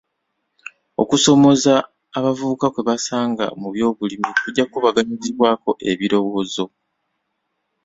Okusoomooza abavubuka kwe basanga mu by'obulimi kujja kkubaganyizibwako ebirowoozo.